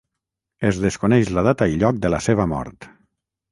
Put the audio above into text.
Es desconeix la data i lloc de la seva mort.